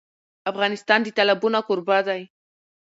افغانستان د تالابونه کوربه دی.